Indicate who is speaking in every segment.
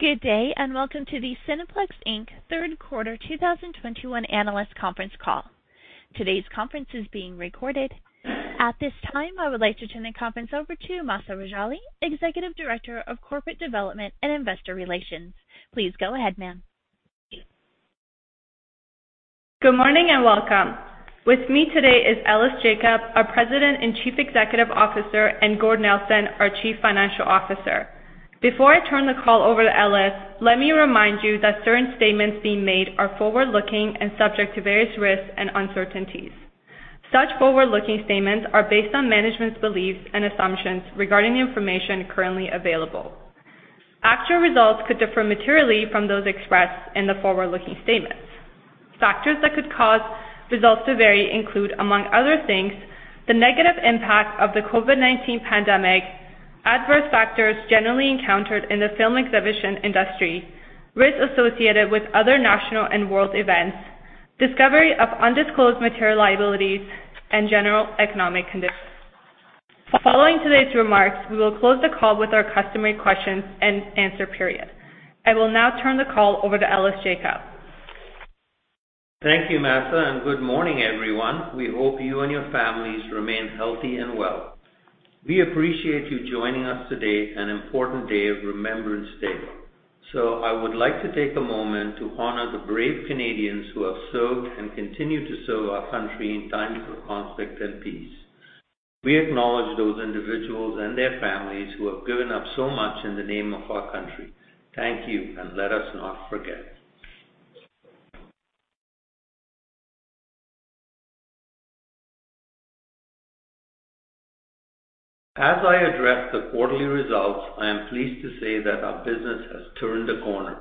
Speaker 1: Good day, and welcome to the Cineplex Inc. third quarter 2021 analyst conference call. Today's conference is being recorded. At this time, I would like to turn the conference over to Mahsa Rejali, Executive Director of Corporate Development and Investor Relations. Please go ahead, ma'am.
Speaker 2: Good morning, and welcome. With me today is Ellis Jacob, our President and Chief Executive Officer, and Gord Nelson, our Chief Financial Officer. Before I turn the call over to Ellis, let me remind you that certain statements being made are forward-looking and subject to various risks and uncertainties. Such forward-looking statements are based on management's beliefs and assumptions regarding the information currently available. Actual results could differ materially from those expressed in the forward-looking statements. Factors that could cause results to vary include, among other things, the negative impact of the COVID-19 pandemic, adverse factors generally encountered in the film exhibition industry, risks associated with other national and world events, discovery of undisclosed material liabilities, and general economic conditions. Following today's remarks, we will close the call with our customary question-and-answer period. I will now turn the call over to Ellis Jacob.
Speaker 3: Thank you, Mahsa, and good morning, everyone. We hope you and your families remain healthy and well. We appreciate you joining us today, an important day of Remembrance Day. I would like to take a moment to honor the brave Canadians who have served and continue to serve our country in times of conflict and peace. We acknowledge those individuals and their families who have given up so much in the name of our country. Thank you, and let us not forget. As I address the quarterly results, I am pleased to say that our business has turned a corner.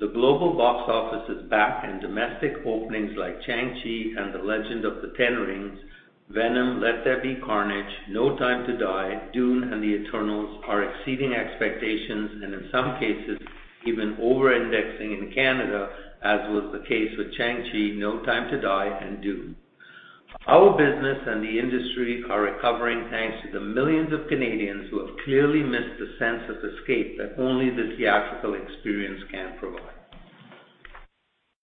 Speaker 3: The global box office is back, and domestic openings like Shang-Chi and the Legend of the Ten Rings, Venom: Let There Be Carnage, No Time to Die, Dune, and Eternals are exceeding expectations, and in some cases, even over-indexing in Canada, as was the case with Shang-Chi, No Time to Die, and Dune. Our business and the industry are recovering thanks to the millions of Canadians who have clearly missed the sense of escape that only the theatrical experience can provide.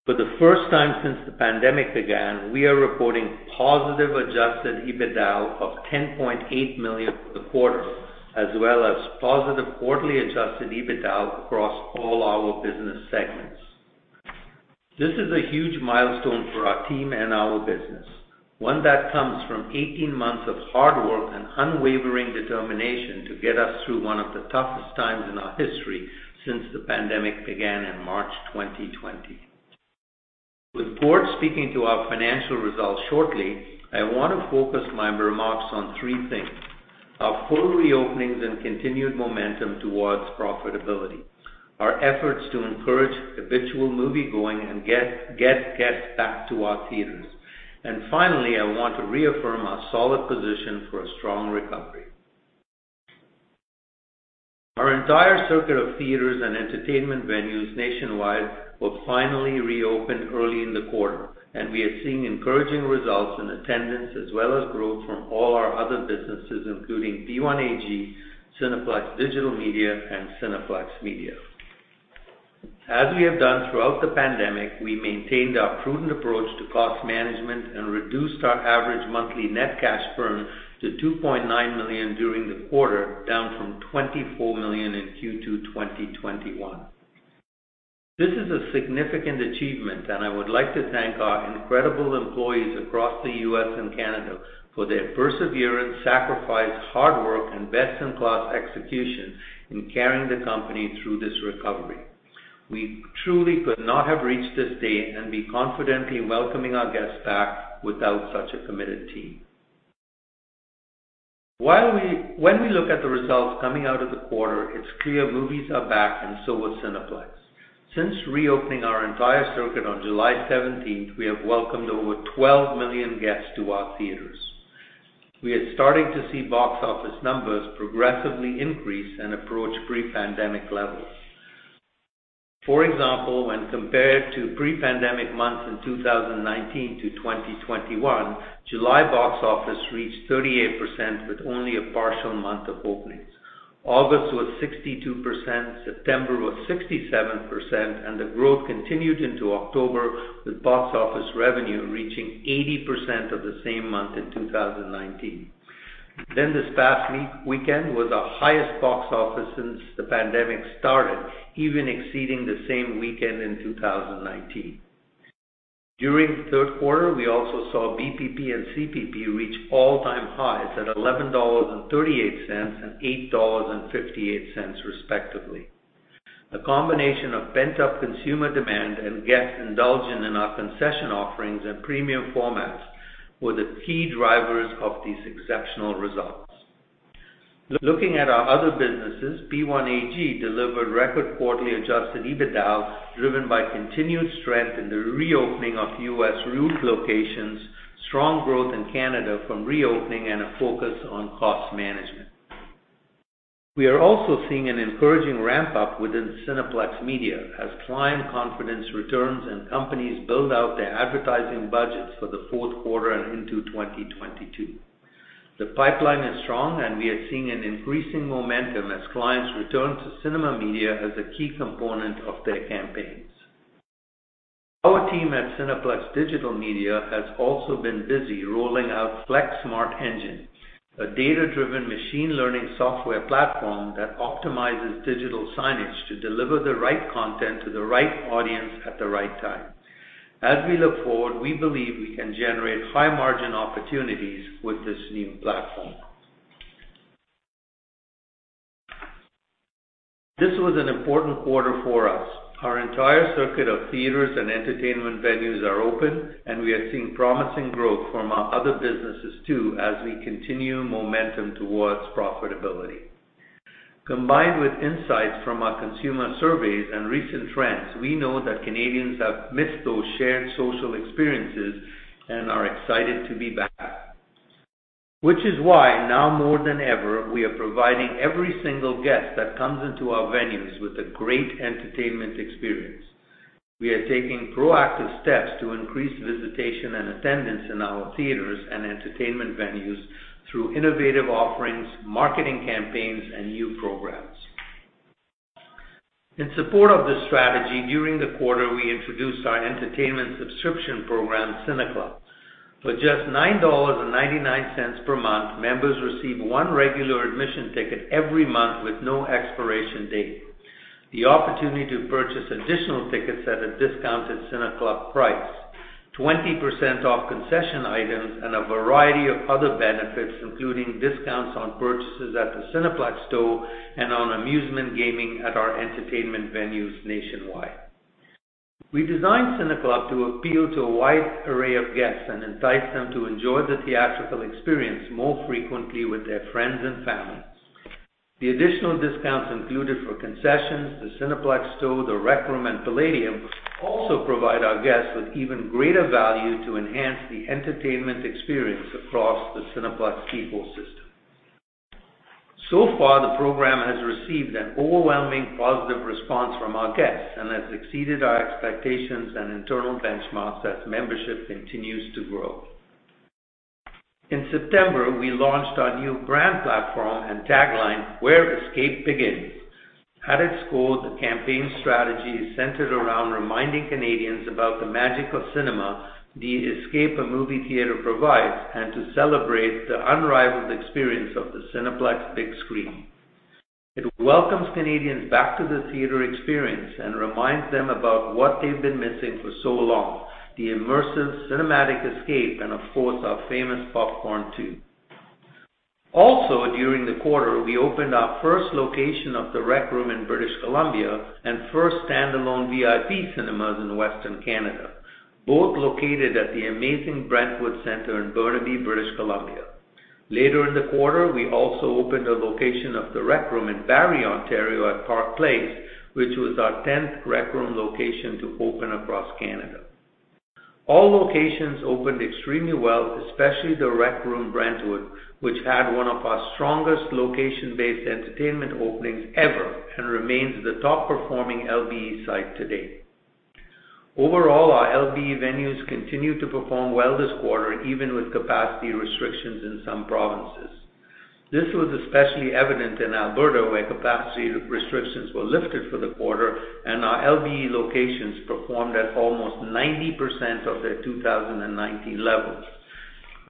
Speaker 3: For the first time since the pandemic began, we are reporting positive adjusted EBITDA of 10.8 million for the quarter, as well as positive quarterly adjusted EBITDA across all our business segments. This is a huge milestone for our team and our business, one that comes from 18 months of hard work and unwavering determination to get us through one of the toughest times in our history since the pandemic began in March 2020. With Gord speaking to our financial results shortly, I want to focus my remarks on three things. Our full reopenings and continued momentum towards profitability, our efforts to encourage habitual moviegoing, and get guests back to our theaters. Finally, I want to reaffirm our solid position for a strong recovery. Our entire circuit of theaters and entertainment venues nationwide were finally reopened early in the quarter, and we are seeing encouraging results in attendance as well as growth from all our other businesses, including P1AG, Cineplex Digital Media, and Cineplex Media. As we have done throughout the pandemic, we maintained our prudent approach to cost management and reduced our average monthly net cash burn to 2.9 million during the quarter, down from 24 million in Q2 2021. This is a significant achievement, and I would like to thank our incredible employees across the U.S. and Canada for their perseverance, sacrifice, hard work, and best-in-class execution in carrying the company through this recovery. We truly could not have reached this state and be confidently welcoming our guests back without such a committed team. When we look at the results coming out of the quarter, it's clear that movies are back and so is Cineplex. Since reopening our entire circuit on July 17th, we have welcomed over 12 million guests to our theaters. We are starting to see box office numbers progressively increase and approach pre-pandemic levels. For example, when compared to pre-pandemic months in 2019 to 2021, July's box office reached 38% with only a partial month of openings. August was 62%, September was 67%, and the growth continued into October with box office revenue reaching 80% of the same month in 2019. This past weekend was our highest box office since the pandemic started, even exceeding the same weekend in 2019. During the third quarter, we also saw VPP and CPP reach all-time highs at 11.38 dollars and 8.58 dollars, respectively. The combination of pent-up consumer demand and guests indulging in our concession offerings and premium formats were the key drivers of these exceptional results. Looking at our other businesses, P1AG delivered record quarterly adjusted EBITDA, driven by continued strength in the reopening of U.S. route locations, strong growth in Canada from reopening, and a focus on cost management. We are also seeing an encouraging ramp-up within Cineplex Media as client confidence returns and companies build out their advertising budgets for the fourth quarter and into 2022. The pipeline is strong, and we are seeing an increasing momentum as clients return to cinema media as a key component of their campaigns. Our team at Cineplex Digital Media has also been busy rolling out Flex Smart Engine, a data-driven machine learning software platform that optimizes digital signage to deliver the right content to the right audience at the right time. As we look forward, we believe we can generate high-margin opportunities with this new platform. This was an important quarter for us. Our entire circuit of theaters and entertainment venues are open, and we are seeing promising growth from our other businesses too as we continue momentum towards profitability. Combined with insights from our consumer surveys and recent trends, we know that Canadians have missed those shared social experiences and are excited to be back. Which is why now more than ever, we are providing every single guest that comes into our venues with a great entertainment experience. We are taking proactive steps to increase visitation and attendance in our theaters and entertainment venues through innovative offerings, marketing campaigns, and new programs. In support of this strategy, during the quarter we introduced our entertainment subscription program, CineClub. For just 9.99 dollars per month, members receive one regular admission ticket every month with no expiration date, the opportunity to purchase additional tickets at a discounted CineClub price, 20% off concession items, and a variety of other benefits, including discounts on purchases at the Cineplex Store and on amusement gaming at our entertainment venues nationwide. We designed CineClub to appeal to a wide array of guests and entice them to enjoy the theatrical experience more frequently with their friends and families. The additional discounts included for concessions, the Cineplex Store, The Rec Room, and Playdium also provide our guests with even greater value to enhance the entertainment experience across the Cineplex [C-POPS system]. So far, the program has received an overwhelming positive response from our guests and has exceeded our expectations and internal benchmarks as membership continues to grow. In September, we launched our new brand platform and tagline, Where Escape Begins. At its core, the campaign strategy is centered around reminding Canadians about the magic of cinema, the escape a movie theater provides, and to celebrate the unrivaled experience of the Cineplex big screen. It welcomes Canadians back to the theater experience and reminds them about what they've been missing for so long, the immersive cinematic escape, and of course, our famous popcorn, too. Also, during the quarter, we opened our first location of The Rec Room in British Columbia and our first standalone VIP Cinemas in Western Canada, both located at the amazing Brentwood Center in Burnaby, British Columbia. Later in the quarter, we also opened a location of The Rec Room in Barrie, Ontario, at Park Place, which was our 10th Rec Room location to open across Canada. All locations opened extremely well, especially The Rec Room, Brentwood, which had one of our strongest location-based entertainment openings ever and remains the top-performing LBE site to date. Overall, our LBE venues continued to perform well this quarter, even with capacity restrictions in some provinces. This was especially evident in Alberta, where capacity restrictions were lifted for the quarter and our LBE locations performed at almost 90% of their 2019 levels.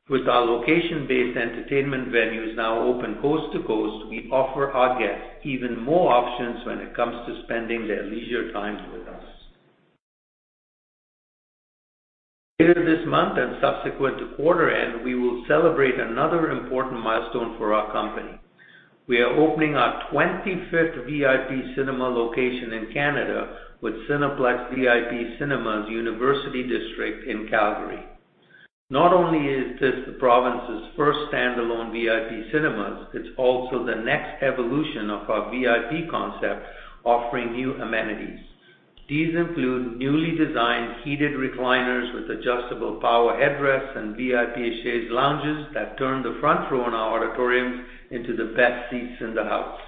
Speaker 3: With our location-based entertainment venues now open coast to coast, we offer our guests even more options when it comes to spending their leisure time with us. Later this month and subsequent to quarter-end, we will celebrate another important milestone for our company. We are opening our 25th VIP Cinema location in Canada with Cineplex VIP Cinemas University District in Calgary. Not only is this the province's first standalone VIP Cinemas, but it's also the next evolution of our VIP concept, offering new amenities. These include newly designed heated recliners with adjustable power headrests and VIP chaise lounges that turn the front row in our auditoriums into the best seats in the house.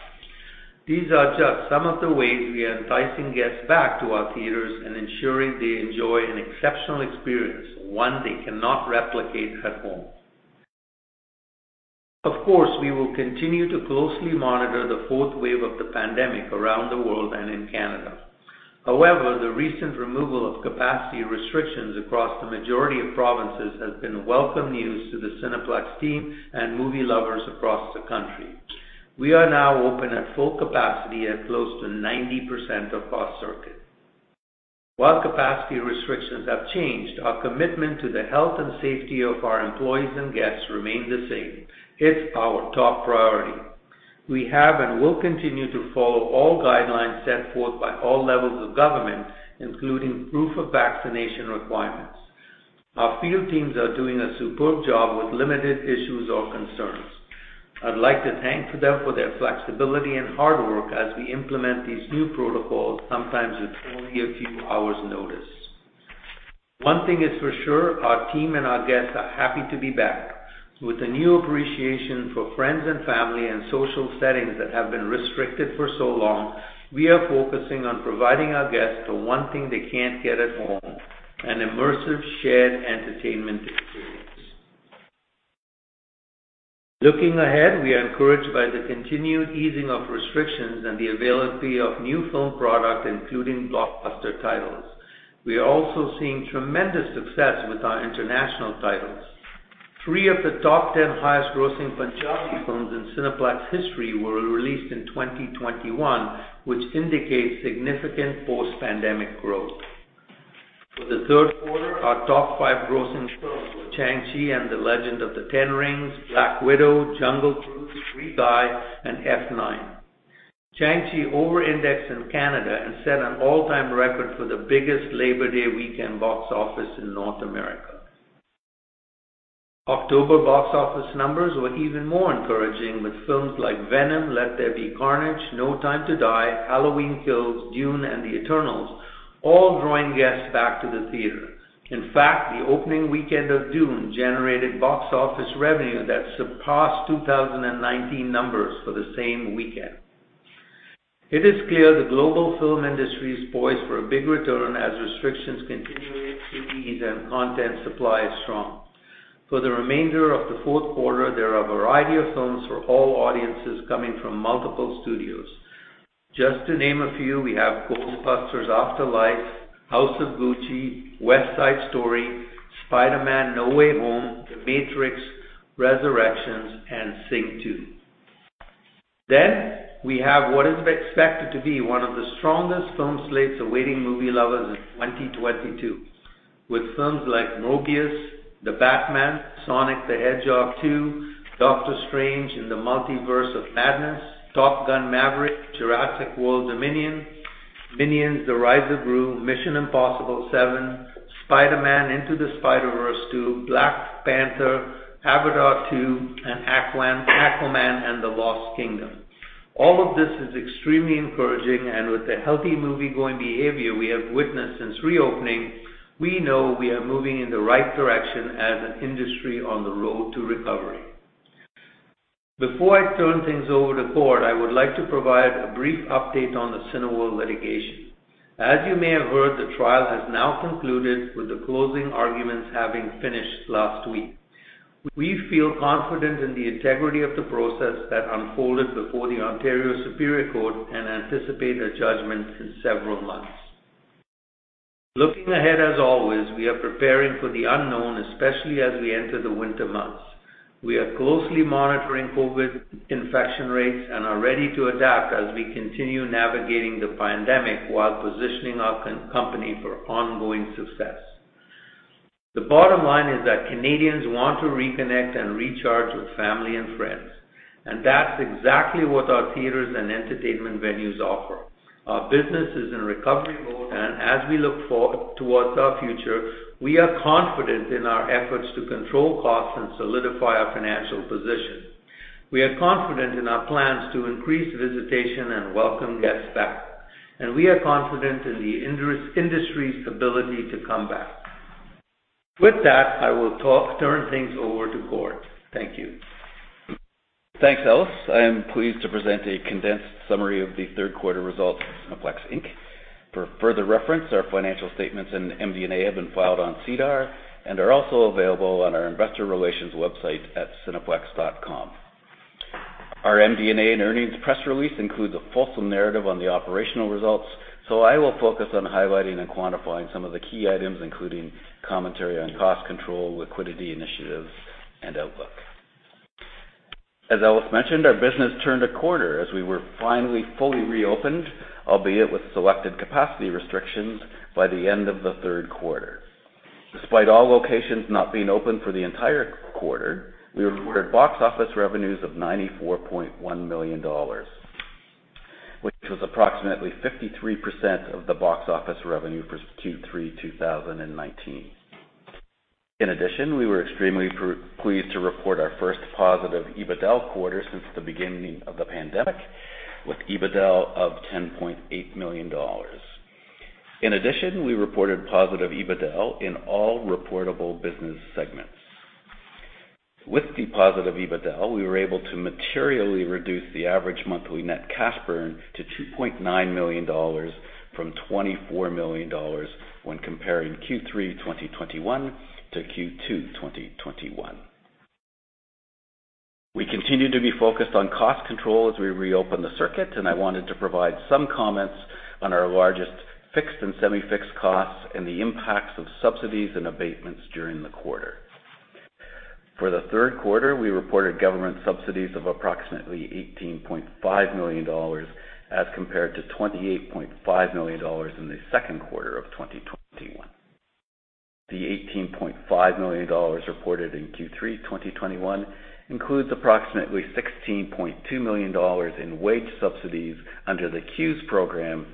Speaker 3: These are just some of the ways we are enticing guests back to our theaters and ensuring they enjoy an exceptional experience, one they cannot replicate at home. Of course, we will continue to closely monitor the fourth wave of the pandemic around the world and in Canada. However, the recent removal of capacity restrictions across the majority of provinces has been welcome news to the Cineplex team and movie lovers across the country. We are now open at full capacity at close to 90% of our circuit. While capacity restrictions have changed, our commitment to the health and safety of our employees and guests remains the same. It's our top priority. We have and will continue to follow all guidelines set forth by all levels of government, including proof of vaccination requirements. Our field teams are doing a superb job with limited issues or concerns. I'd like to thank them for their flexibility and hard work as we implement these new protocols, sometimes with only a few hours' notice. One thing is for sure: our team and our guests are happy to be back. With a new appreciation for friends and family and social settings that have been restricted for so long, we are focusing on providing our guests with the one thing they can't get at home: an immersive, shared entertainment experience. Looking ahead, we are encouraged by the continued easing of restrictions and the availability of new film products, including blockbuster titles. We are also seeing tremendous success with our international titles. Three of the top 10 highest-grossing Punjabi films in Cineplex history were released in 2021, which indicates significant post-pandemic growth. For the third quarter, our top five grossing films were Shang-Chi and the Legend of the Ten Rings, Black Widow, Jungle Cruise, Free Guy, and F9. Shang-Chi overindexed in Canada and set an all-time record for the biggest Labor Day weekend box office in North America. October box office numbers were even more encouraging, with films like Venom: Let There Be Carnage, No Time to Die, Halloween Kills, Dune, and Eternals all drawing guests back to the theater. In fact, the opening weekend of Dune generated box office revenue that surpassed 2019 numbers for the same weekend. It is clear the global film industry is poised for a big return as restrictions continue to ease and content supply is strong. For the remainder of the fourth quarter, there are a variety of films for all audiences coming from multiple studios. Just to name a few, we have Ghostbusters: Afterlife, House of Gucci, West Side Story, Spider-Man: No Way Home, The Matrix Resurrections, and Sing two. We have what is expected to be one of the strongest film slates awaiting movie lovers in 2022, with films like Morbius, The Batman, Sonic the Hedgehog two, Doctor Strange in the Multiverse of Madness, Top Gun: Maverick, Jurassic World Dominion, Minions: The Rise of Gru, Mission: Impossible seven, Spider-Man: Across the Spider-Verse, Black Panther: Wakanda Forever, Avatar: The Way of Water, and Aquaman and the Lost Kingdom. All of this is extremely encouraging, and with the healthy movie-going behavior we have witnessed since reopening, we know we are moving in the right direction as an industry on the road to recovery. Before I turn things over to Gord, I would like to provide a brief update on the Cineworld litigation. As you may have heard, the trial has now concluded, with the closing arguments having finished last week. We feel confident in the integrity of the process that unfolded before the Ontario Superior Court and anticipate a judgment in several months. Looking ahead, as always, we are preparing for the unknown, especially as we enter the winter months. We are closely monitoring COVID infection rates and are ready to adapt as we continue navigating the pandemic while positioning our company for ongoing success. The bottom line is that Canadians want to reconnect and recharge with family and friends, and that's exactly what our theaters and entertainment venues offer. Our business is in recovery mode, and as we look towards our future, we are confident in our efforts to control costs and solidify our financial position. We are confident in our plans to increase visitation and welcome guests back, and we are confident in the industry's ability to come back. With that, I will turn things over to Gord. Thank you.
Speaker 4: Thanks, Ellis. I am pleased to present a condensed summary of the third quarter results of Cineplex Inc. For further reference, our financial statements and MD&A have been filed on SEDAR and are also available on our investor relations website at cineplex.com. Our MD&A and earnings press release includes a fulsome narrative on the operational results, so I will focus on highlighting and quantifying some of the key items, including commentary on cost control, liquidity initiatives, and outlook. As Ellis mentioned, our business turned a corner as we were finally fully reopened, albeit with selected capacity restrictions by the end of the third quarter. Despite all locations not being open for the entire quarter, we reported box office revenues of 94.1 million dollars, which was approximately 53% of the box office revenue for Q3 2019. In addition, we were extremely pleased to report our first positive EBITDA quarter since the beginning of the pandemic, with EBITDA of 10.8 million dollars. In addition, we reported positive EBITDA in all reportable business segments. With the positive EBITDA, we were able to materially reduce the average monthly net cash burn to 2.9 million dollars from 24 million dollars when comparing Q3 2021 to Q2 2021. We continue to be focused on cost control as we reopen the circuit, and I wanted to provide some comments on our largest fixed and semi-fixed costs and the impacts of subsidies and abatements during the quarter. For the third quarter, we reported government subsidies of approximately 18.5 million dollars, as compared to 28.5 million dollars in the second quarter of 2021. The 18.5 million dollars reported in Q3 2021 includes approximately 16.2 million dollars in wage subsidies under the CEWS program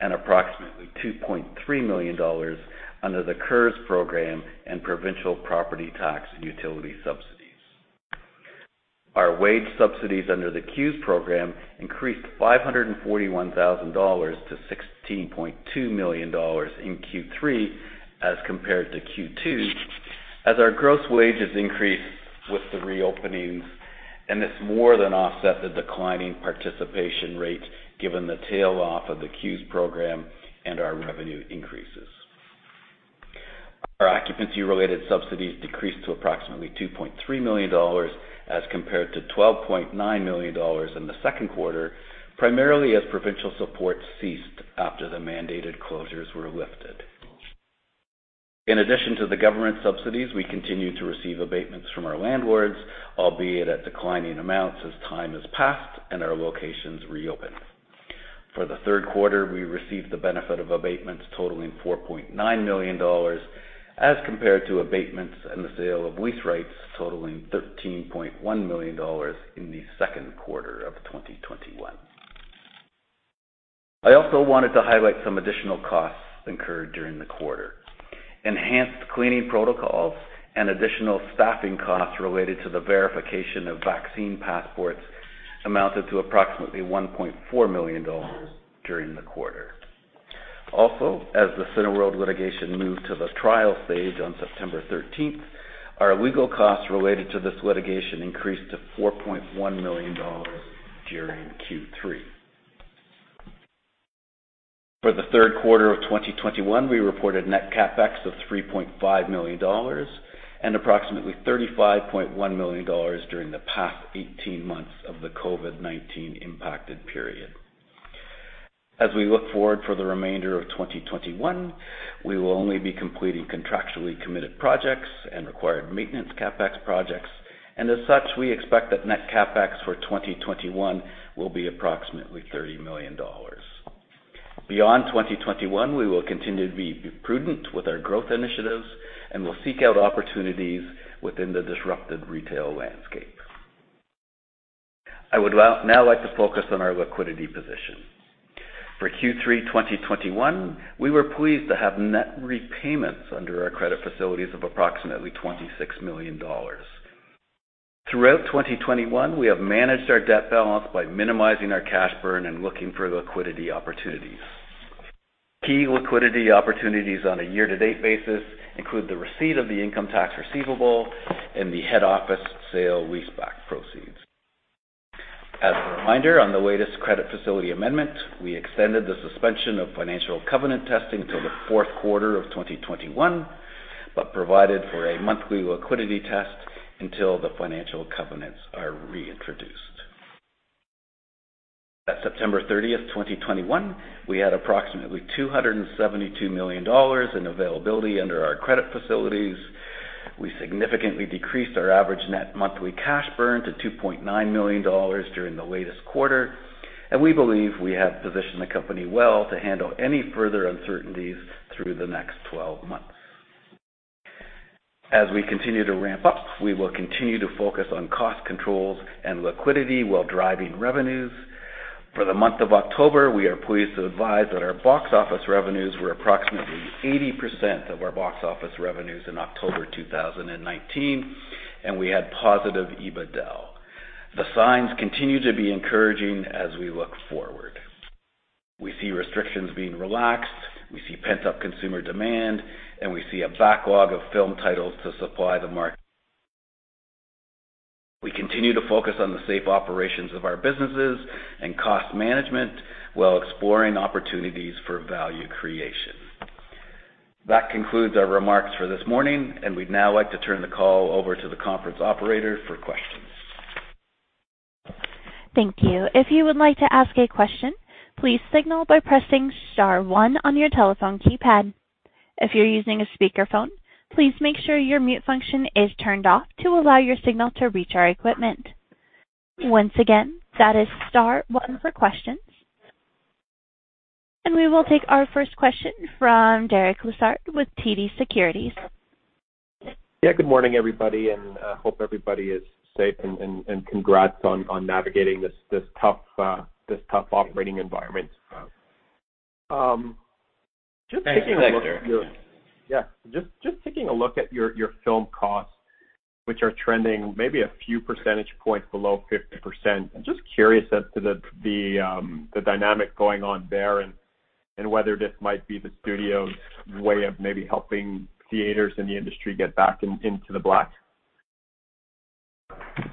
Speaker 4: and approximately 2.3 million dollars under the CERS program in provincial property tax and utility subsidies. Our wage subsidies under the CEWS program increased 541,000 dollars to 16.2 million dollars in Q3 as compared to Q2, as our gross wages increased with the reopenings, and this more than offset the declining participation rate given the tail off of the CEWS program and our revenue increases. Our occupancy-related subsidies decreased to approximately 2.3 million dollars as compared to 12.9 million dollars in the second quarter, primarily as provincial support ceased after the mandated closures were lifted. In addition to the government subsidies, we continued to receive abatements from our landlords, albeit at declining amounts as time has passed and our locations reopened. For the third quarter, we received the benefit of abatements totaling 4.9 million dollars, as compared to abatements and the sale of lease rights totaling 13.1 million dollars in the second quarter of 2021. I also wanted to highlight some additional costs incurred during the quarter. Enhanced cleaning protocols and additional staffing costs related to the verification of vaccine passports amounted to approximately 1.4 million dollars during the quarter. Also, as the Cineworld litigation moved to the trial stage on September 13th, our legal costs related to this litigation increased to 4.1 million dollars during Q3. For the third quarter of 2021, we reported net CapEx of 3.5 million dollars and approximately 35.1 million dollars during the past 18 months of the COVID-19-impacted period. As we look forward for the remainder of 2021, we will only be completing contractually committed projects and required maintenance CapEx projects. As such, we expect that net CapEx for 2021 will be approximately 30 million dollars. Beyond 2021, we will continue to be prudent with our growth initiatives and will seek out opportunities within the disrupted retail landscape. I would now like to focus on our liquidity position. For Q3 2021, we were pleased to have net repayments under our credit facilities of approximately 26 million dollars. Throughout 2021, we have managed our debt balance by minimizing our cash burn and looking for liquidity opportunities. Key liquidity opportunities on a year-to-date basis include the receipt of the income tax receivable and the head office sale-leaseback proceeds. As a reminder, on the latest credit facility amendment, we extended the suspension of financial covenant testing to the fourth quarter of 2021, but provided for a monthly liquidity test until the financial covenants are reintroduced. As of September 30, 2021, we had approximately 272 million dollars in availability under our credit facilities. We significantly decreased our average net monthly cash burn to 2.9 million dollars during the latest quarter, and we believe we have positioned the company well to handle any further uncertainties through the next 12 months. As we continue to ramp-up, we will continue to focus on cost controls and liquidity while driving revenues. For the month of October, we are pleased to advise that our box office revenues were approximately 80% of our box office revenues in October 2019, and we had positive EBITDA. The signs continue to be encouraging as we look forward. We see restrictions being relaxed, we see pent-up consumer demand, and we see a backlog of film titles to supply the market. We continue to focus on the safe operations of our businesses and cost management while exploring opportunities for value creation. That concludes our remarks for this morning, and we'd now like to turn the call over to the conference operator for questions.
Speaker 1: Thank you. If you would like to ask a question, please signal by pressing star one on your telephone keypad. If you're using a speakerphone, please make sure your mute function is turned off to allow your signal to reach our equipment. Once again, that is star one for questions. We will take our first question from Derek Lessard with TD Securities.
Speaker 5: Yeah, good morning, everybody, and hope everybody is safe, and congrats on navigating this tough operating environment. Just taking a look-
Speaker 4: Thanks, Derek.
Speaker 5: Yeah. Just taking a look at your film costs, which are trending maybe a few percentage points below 50%. I'm just curious as to the dynamic going on there and whether this might be the studio's way of maybe helping theaters in the industry get back into the black.
Speaker 3: It's,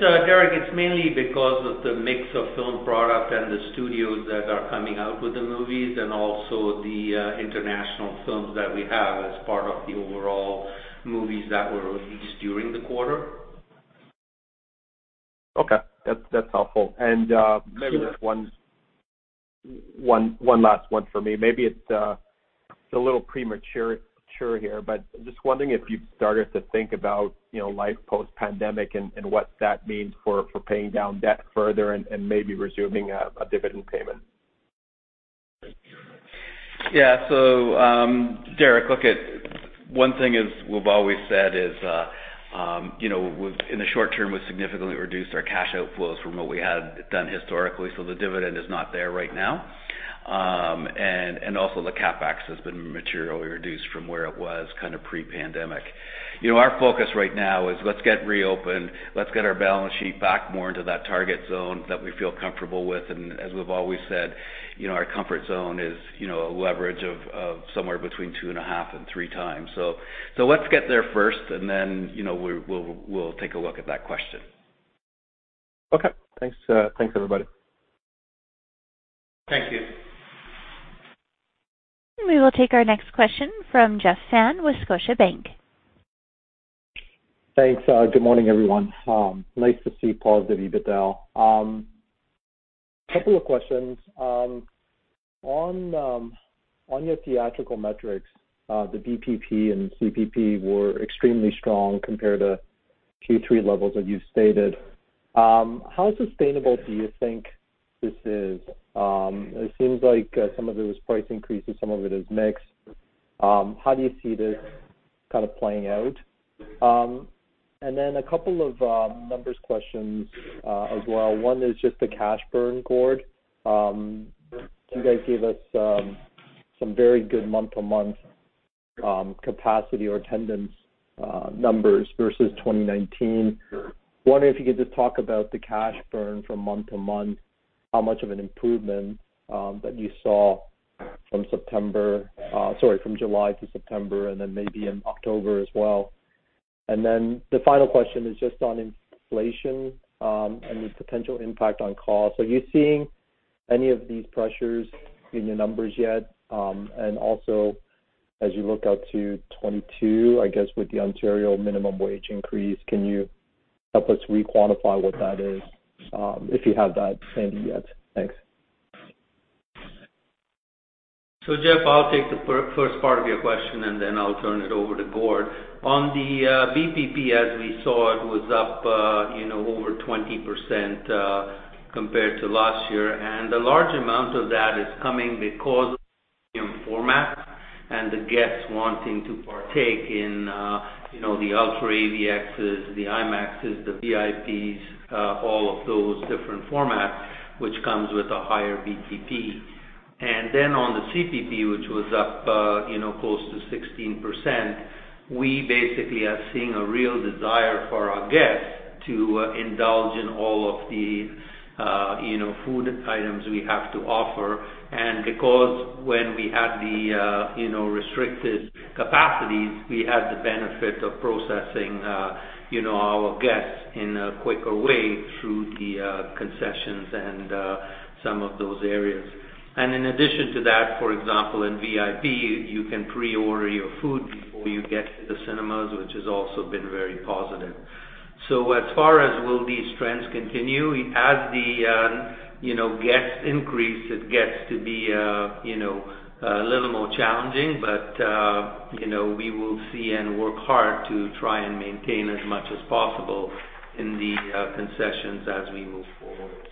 Speaker 3: Derek, it's mainly because of the mix of film products and the studios that are coming out with the movies, and also the international films that we have as part of the overall movies that were released during the quarter.
Speaker 5: Okay. That's helpful.
Speaker 4: Sure.
Speaker 5: Maybe just one last one for me. Maybe it's a little premature here, but just wondering if you've started to think about, you know, life post-pandemic and what that means for paying down debt further and maybe resuming a dividend payment.
Speaker 4: Yeah. Derek, look, one thing is we've always said is, you know, in the short-term, we've significantly reduced our cash outflows from what we had done historically, so the dividend is not there right now. And also the CapEx has been materially reduced from where it was kind of pre-pandemic. You know, our focus right now is let's get reopened. Let's get our balance sheet back more into that target zone that we feel comfortable with. And as we've always said, you know, our comfort zone is, you know, a leverage of somewhere between 2.5x and 3x. So let's get there first, and then, you know, we'll take a look at that question.
Speaker 5: Okay. Thanks, everybody.
Speaker 3: Thank you.
Speaker 1: We will take our next question from Jeff Fan with Scotiabank.
Speaker 6: Thanks. Good morning, everyone. Nice to see positive EBITDA. A couple of questions. On your theatrical metrics, the VPP and CPP were extremely strong compared to Q3 levels that you've stated. How sustainable do you think this is? It seems like some of it was price increases, some of it is mix. How do you see this kind of playing out? A couple of number questions as well. One is just the cash burn, Gord. You guys gave us some very good month-to-month capacity or attendance numbers versus 2019. Wondering if you could just talk about the cash burn from month-to-month, how much of an improvement that you saw from July to September, and then maybe in October as well. Then the final question is just on inflation, and the potential impact on costs. Are you seeing any of these pressures in your numbers yet? Also, as you look out to 2022, I guess with the Ontario minimum wage increase, can you help us re-quantify what that is, if you have that handy yet? Thanks.
Speaker 3: Jeff, I'll take the first part of your question, and then I'll turn it over to Gord. On the VPP, as we saw, it was up, you know, over 20%, compared to last year. A large amount of that is coming because of premium format and the guests wanting to partake in, you know, the UltraAVX, the IMAX, the VIP, all of those different formats, which come with a higher VPP. Then on the CPP, which was up, you know, close to 16%, we basically are seeing a real desire for our guests to indulge in all of the, you know, food items we have to offer. Because when we had the, you know, restricted capacities, we had the benefit of processing, you know, our guests in a quicker way through the, concessions and, some of those areas. In addition to that, for example, in VIP, you can pre-order your food before you get to the cinema, which has also been very positive. As far as will these trends continue, as the, you know, guests increase, it gets to be, you know, a little more challenging. You know, we will see and work hard to try and maintain as much as possible in the, concessions as we move forward.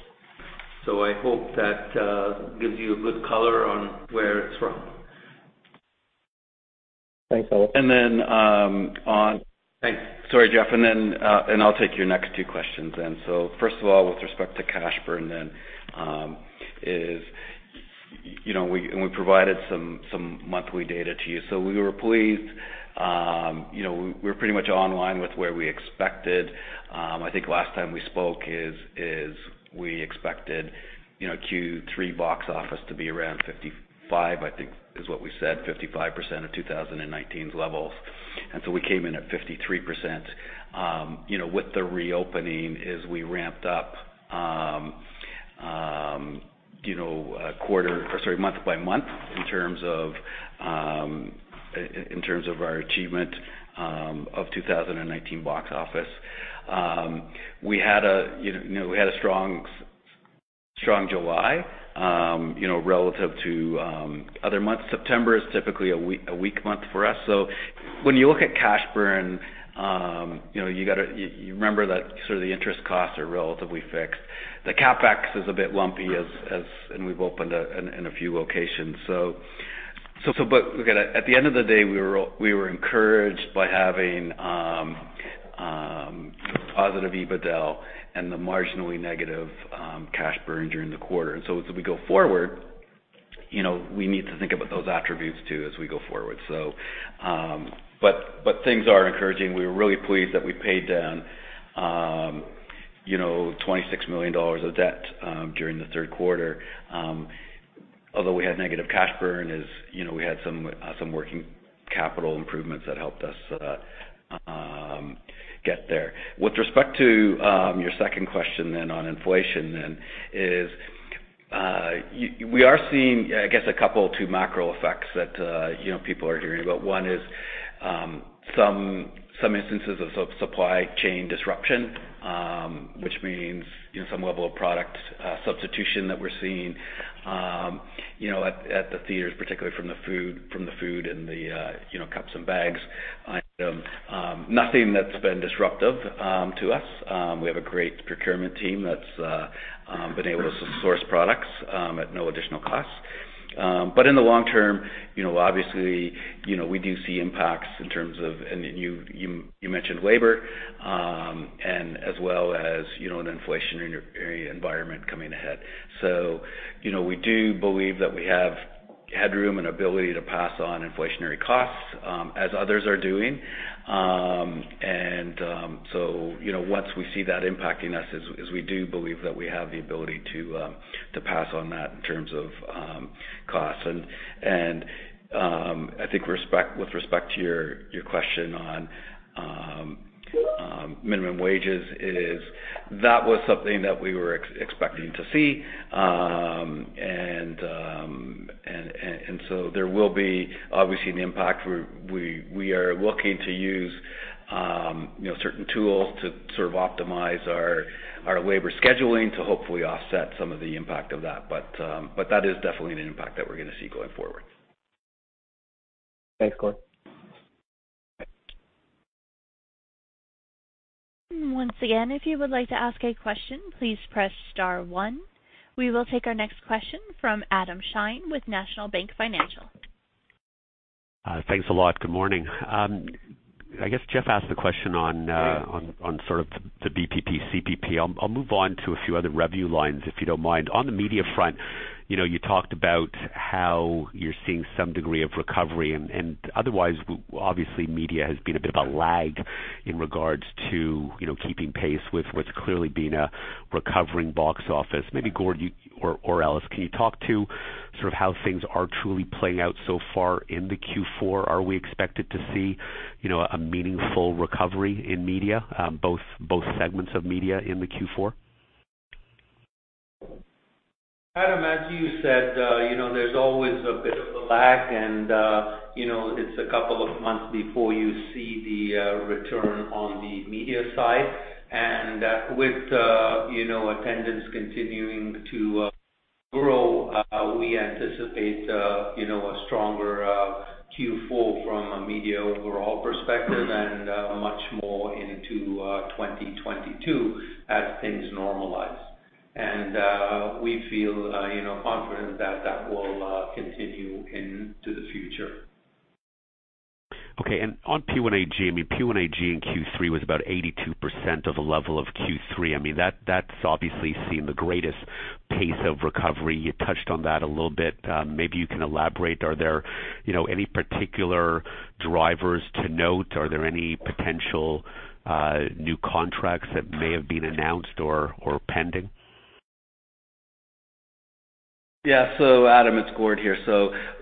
Speaker 3: I hope that, gives you a good color on where it's from.
Speaker 6: Thanks, Ellis.
Speaker 4: And then, um, on-
Speaker 3: Thanks.
Speaker 4: Sorry, Jeff. I'll take your next two questions then. First of all, with respect to cash burn, then, you know, we provided some monthly data to you. We were pleased. We're pretty much in line with where we expected. I think last time we spoke, we expected, you know, Q3 box office to be around 55%, I think is what we said, 55% of 2019's levels. We came in at 53%. With the reopening, we ramped up, you know, month by month, in terms of our achievement of 2019 box office. We had a strong July, you know, relative to other months. September is typically a weak month for us. When you look at cash burn, you know, you gotta remember that the interest costs are relatively fixed. The CapEx is a bit lumpy, as we've opened in a few locations. But look at it. At the end of the day, we were encouraged by having positive EBITDA and the marginally negative cash burn during the quarter. As we go forward, you know, we need to think about those attributes too, as we go forward. Things are encouraging. We were really pleased that we paid down, you know, 26 million dollars of debt during the third quarter. Although we had negative cash burn, as you know, we had some working capital improvements that helped us get there. With respect to your second question, then on inflation then is we are seeing, I guess, a couple of two macro effects that you know, people are hearing about. One is some instances of supply chain disruption, which means, you know, some level of product substitution that we're seeing, you know, at the theaters, particularly from the food and the you know, cups and bags item. Nothing that's been disruptive to us. We have a great procurement team that's been able to source products at no additional cost. In the long-term, you know, obviously, you know, we do see impacts in terms of, and you mentioned labor, and as well as, you know, an inflationary environment coming ahead. You know, we do believe that we have headroom and the ability to pass on inflationary costs, as others are doing. You know, once we see that impacting us, we do believe that we have the ability to pass on that in terms of costs. I think with respect to your question on minimum wages, that was something that we were expecting to see. There will be obviously an impact where we are looking to use, you know certain tools to sort of optimize our labor scheduling to hopefully offset some of the impact of that. That is definitely an impact that we're gonna see going forward.
Speaker 6: Thanks, Gord.
Speaker 1: Once again, if you would like to ask a question, please press star one. We will take our next question from Adam Shine with National Bank Financial.
Speaker 7: Thanks a lot. Good morning. I guess Jeff asked the question on sort of the BPP, CPP. I'll move on to a few other revenue lines, if you don't mind. On the media front, you know, you talked about how you're seeing some degree of recovery, and otherwise, obviously, media has been a bit of a lag in regards to, you know, keeping pace with what's clearly been a recovering box office. Maybe Gord, you, or Ellis, can you talk to sort of how things are truly playing out so far in the Q4? Are we expected to see, you know, a meaningful recovery in media, both segments of media, in the Q4?
Speaker 3: Adam, as you said, you know, there's always a bit of a lag, and, you know, it's a couple of months before you see the return on the media side. With you know, attendance continuing to grow, we anticipate you know, a stronger Q4 from a media overall perspective and much more into 2022 as things normalize. We feel you know, confident that that will continue into the future.
Speaker 7: Okay. On P1AG, I mean, P1AG in Q3 was about 82% of the level of Q3. I mean, that's obviously seen the greatest pace of recovery. You touched on that a little bit. Maybe you can elaborate. Are there, you know, any particular drivers to note? Are there any potential new contracts that may have been announced or pending?
Speaker 4: Yeah. Adam, it's Gord here.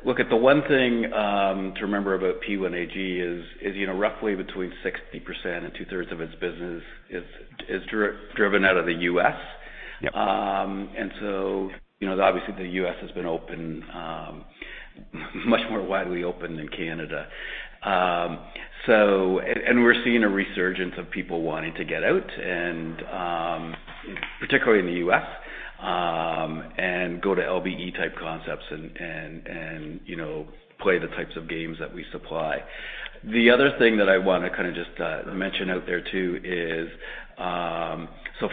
Speaker 4: Look at the one thing to remember about P1AG is, you know, roughly between 60% and two-thirds of its business is driven out of the U.S.
Speaker 7: Yep.
Speaker 4: You know, obviously, the U.S. has been open much more widely open than Canada. We're seeing a resurgence of people wanting to get out and, particularly in the U.S., and go to LBE-type concepts, and you know, play the types of games that we supply. The other thing that I wanna kind of just mention out there too is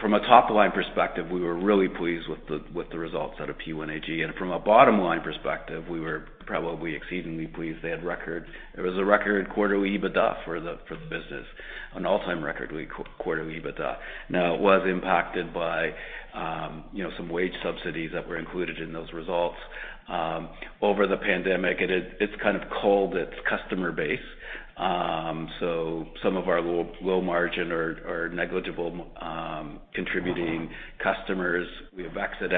Speaker 4: from a top-line perspective, we were really pleased with the results out of P1AG. From a bottom-line perspective, we were probably exceedingly pleased. There was a record quarterly EBITDA for the business, an all-time record quarterly EBITDA. Now it was impacted by you know, some wage subsidies that were included in those results over the pandemic. It's kind of culled its customer base. Some of our low-margin or negligible contributing customers, we have exited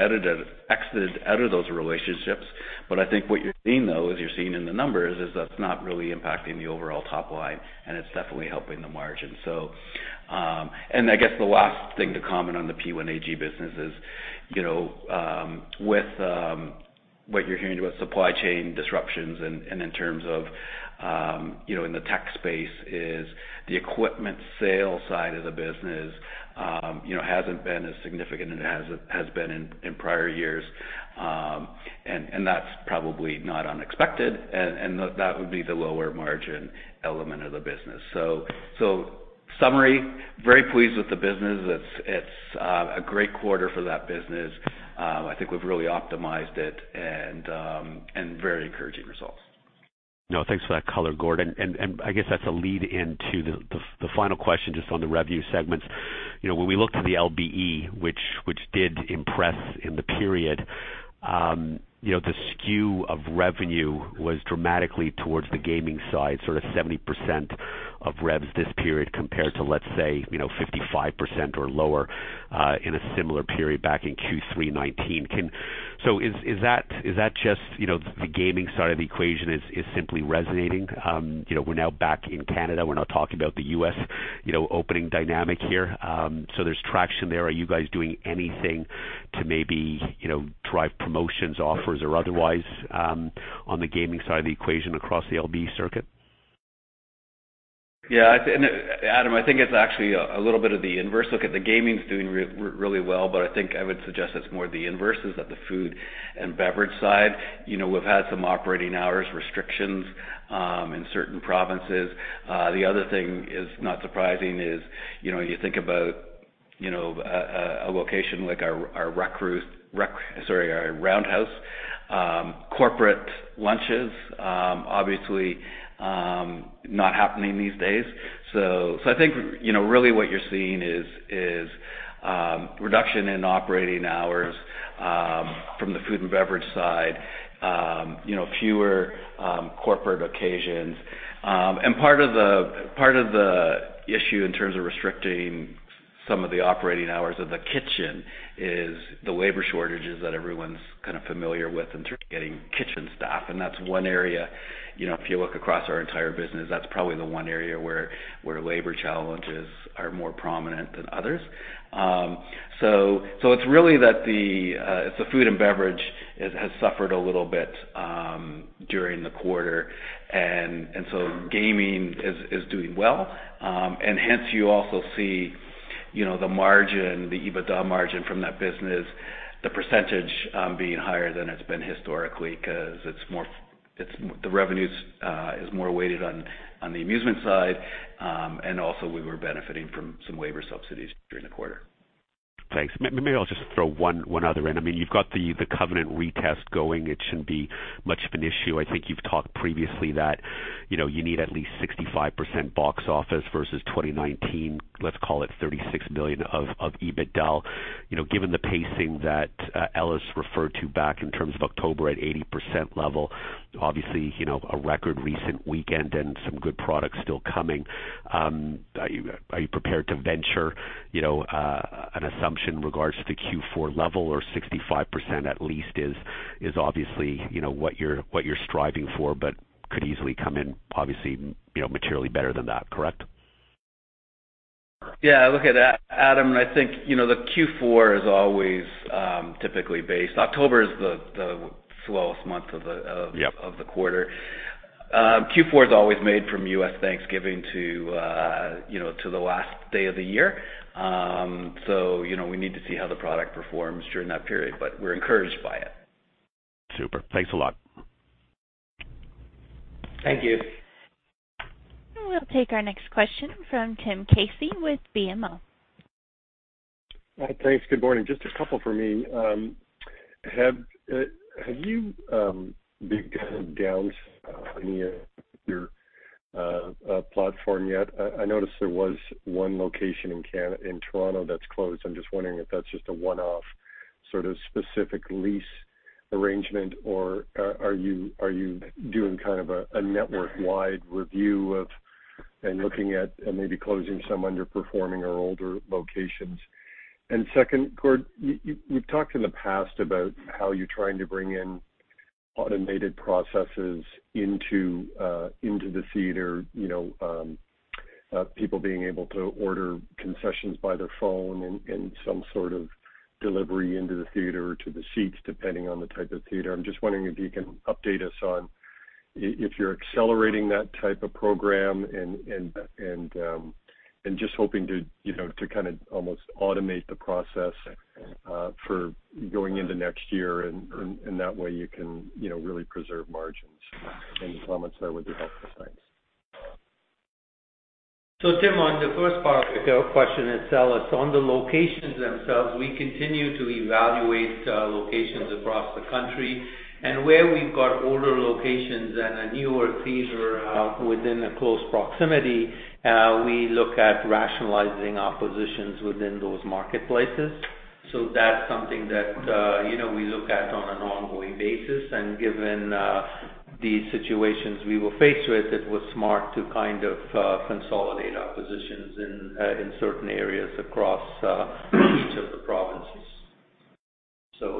Speaker 4: out of those relationships. I think what you're seeing, though, as you're seeing in the numbers, is that's not really impacting the overall top-;line, and it's definitely helping the margin. I guess the last thing to comment on the P1AG business is, you know, with what you're hearing about supply chain disruptions, and in terms of, you know, in the tech space, is the equipment sales side of the business, you know, hasn't been as significant as it has been in prior years. That's probably not unexpected. That would be the lower margin element of the business. Summary, very pleased with the business. It's a great quarter for that business. I think we've really optimized it, and very encouraging results.
Speaker 7: No, thanks for that color, Gord. I guess that's a lead into the final question, just on the revenue segments. You know, when we look to the LBE, which did impress in the period, you know, the skew of revenue was dramatically towards the gaming side, sort of 70% of revs this period compared to, let's say, you know, 55% or lower, in a similar period back in Q3 2019. Is that just, you know, the gaming side of the equation is simply resonating? You know, we're now back in Canada. We're not talking about the U.S., you know, opening dynamic here. There's traction there. Are you guys doing anything to maybe, you know, drive promotions, offers, or otherwise, on the gaming side of the equation across the LBE circuit?
Speaker 4: Yeah. Adam, I think it's actually a little bit of the inverse. Look, the gaming's doing really well, but I think I would suggest it's more the inverse, is that the food and beverage side. You know, we've had some operating hours restrictions in certain provinces. The other thing, not surprisingly, is you know, you think about a location like our Roundhouse corporate lunches, obviously not happening these days. I think, you know, really what you're seeing is a reduction in operating hours from the food and beverage side, you know, fewer corporate occasions. Part of the issue in terms of restricting. Some of the operating hours of the kitchen is the labor shortages that everyone's kind of familiar with in terms of getting kitchen staff. That's one area, you know, if you look across our entire business, that's probably the one area where labor challenges are more prominent than others. It's really that the food and beverage has suffered a little bit during the quarter. Gaming is doing well. Hence, you also see, you know, the margin, the EBITDA margin from that business, the percentage, being higher than it's been historically because the revenues is more weighted on the amusement side. We were benefiting from some labor subsidies during the quarter.
Speaker 7: Thanks. Maybe I'll just throw one other in. I mean, you've got the covenant retest going. It shouldn't be much of an issue. I think you've talked previously that, you know, you need at least 65% box office versus 2019, let's call it 36 million of EBITDA. You know, given the pacing that Ellis referred to back in terms of October at 80% level, obviously, you know, a record recent weekend and some good products still coming, are you prepared to venture, you know, an assumption in regards to the Q4 level or 65% at least is obviously, you know, what you're striving for, but could easily come in materially better than that, correct?
Speaker 4: Yeah. Look, Adam, I think, you know, the Q4 is always typically based. October is the slowest month of the-
Speaker 7: Yep.
Speaker 4: End of the quarter. Q4 is always made from U.S. Thanksgiving to, you know, to the last day of the year. You know, we need to see how the product performs during that period, but we're encouraged by it.
Speaker 7: Super. Thanks a lot.
Speaker 4: Thank you.
Speaker 1: We'll take our next question from Tim Casey with BMO.
Speaker 8: Hi. Thanks. Good morning. Just a couple for me. Have you begun to downsize any of your locations yet? I noticed there was one location in Toronto that's closed. I'm just wondering if that's just a one-off sort of specific lease arrangement, or are you doing kind of a network-wide review of and looking at and maybe closing some underperforming or older locations? Second, Gord, you've talked in the past about how you're trying to bring in automated processes into the theater, you know, people being able to order concessions by their phone and some sort of delivery into the theater or to the seats, depending on the type of theater. I'm just wondering if you can update us on if you're accelerating that type of program and just hoping to, you know, to kind of almost automate the process for going into next year, and in that way, you can, you know, really preserve margins. Any comments there would be helpful. Thanks.
Speaker 3: Tim, on the first part of the question and sell us on the locations themselves, we continue to evaluate locations across the country. Where we've got older locations and a newer theater within a close proximity, we look at rationalizing our positions within those marketplaces. That's something that, you know, we look at on an ongoing basis. Given the situations we were faced with, it was smart to kind of consolidate our positions in certain areas across each of the provinces.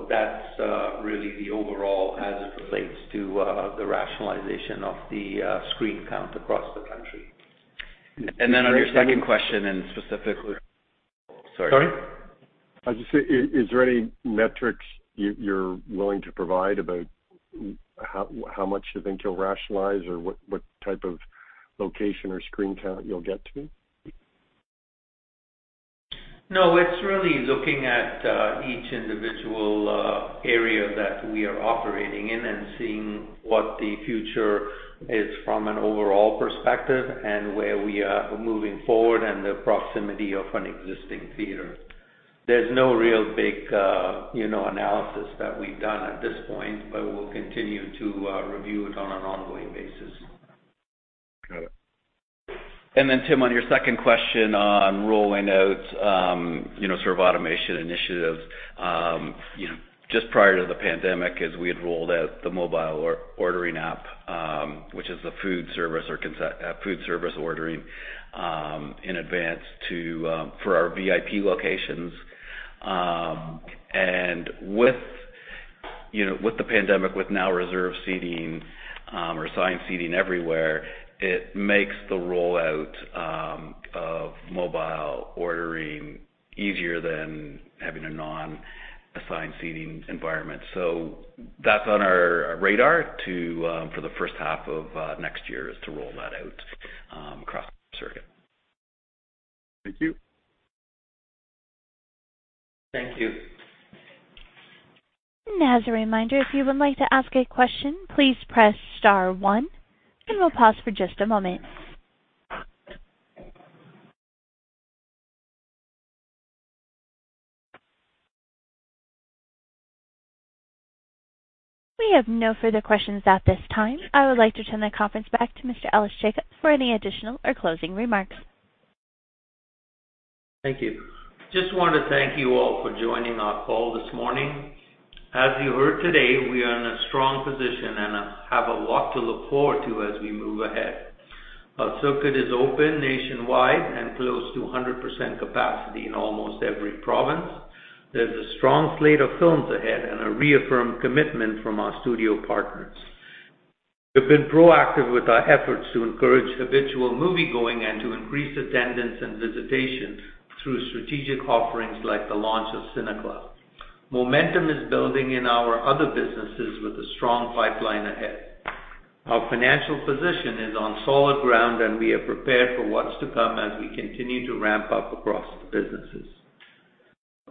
Speaker 3: That's really the overall as it relates to the rationalization of the screen count across the country.
Speaker 4: On your second question, and specifically. Sorry.
Speaker 8: Sorry. As you say, is there any metrics you're willing to provide about how much you think you'll rationalize or what type of location or screen count you'll get to?
Speaker 3: No, it's really looking at each individual area that we are operating in and seeing what the future is from an overall perspective, and where we are moving forward, and the proximity of an existing theater. There's no real big, you know, analysis that we've done at this point, but we'll continue to review it on an ongoing basis.
Speaker 8: Got it.
Speaker 4: Tim, on your second question on rolling out, you know, sort of automation initiatives. You know, just prior to the pandemic, as we had rolled out the mobile ordering app, which is the food service ordering, in advance for our VIP locations. With, you know, with the pandemic, with now reserved seating or assigned seating everywhere, it makes the rollout of mobile ordering easier than having a non-assigned seating environment. That's on our radar to for the first half of next year is to roll that out across the circuit.
Speaker 8: Thank you.
Speaker 3: Thank you.
Speaker 1: As a reminder, if you would like to ask a question, please press star one, and we'll pause for just a moment. We have no further questions at this time. I would like to turn the conference back to Mr. Ellis Jacob for any additional or closing remarks.
Speaker 3: Thank you. Just want to thank you all for joining our call this morning. As you heard today, we are in a strong position and have a lot to look forward to as we move ahead. Our circuit is open nationwide and close to 100% capacity in almost every province. There's a strong slate of films ahead and a reaffirmed commitment from our studio partners. We've been proactive with our efforts to encourage habitual moviegoing and to increase attendance and visitation through strategic offerings like the launch of CineClub. Momentum is building in our other businesses with a strong pipeline ahead. Our financial position is on solid ground, and we are prepared for what's to come as we continue to ramp-up across the businesses.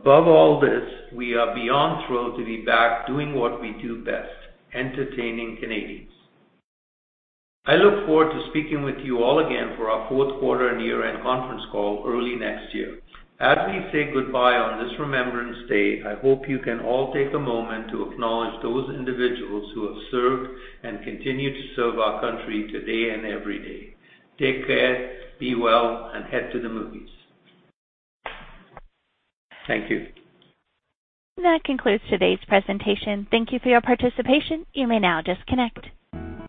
Speaker 3: Above all this, we are beyond thrilled to be back doing what we do best, entertaining Canadians. I look forward to speaking with you all again for our fourth quarter and year-end conference call early next year. As we say goodbye on this Remembrance Day, I hope you can all take a moment to acknowledge those individuals who have served and continue to serve our country today and every day. Take care, be well, and head to the movies. Thank you.
Speaker 1: That concludes today's presentation. Thank you for your participation. You may now disconnect.